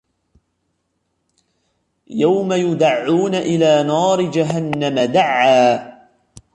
يوم يدعون إلى نار جهنم دعا